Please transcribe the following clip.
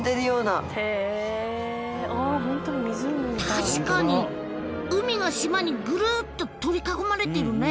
確かに海が島にぐるっと取り囲まれてるね。